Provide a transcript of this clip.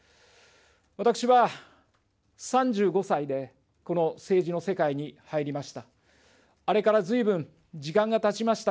私は３５歳でこの政治の世界に入りました。